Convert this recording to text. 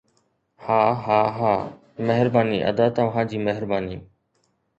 هاهاها مهرباني ادا توهان جي مهرباني